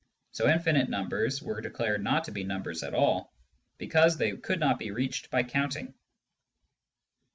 So infinite numbers were declared not to be numbers at all, because they could not be reached by counting.